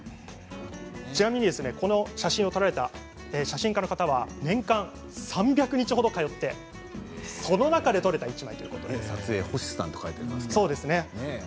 ちなみにこの写真を撮られた写真家の方は年間３００日ほど通ってその中で撮れた１枚撮影、星さんと書いてありますね。